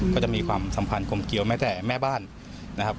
ก็จะมีความสัมพันธ์กลมเกียวแม้แต่แม่บ้านนะครับ